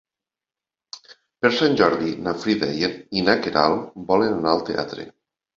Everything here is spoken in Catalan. Per Sant Jordi na Frida i na Queralt volen anar al teatre.